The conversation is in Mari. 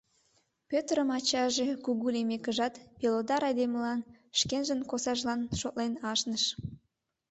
Пӧтырым ачаже, кугу лиймекыжат, пелодар айдемылан, шкенжын косажлан шотлен ашныш.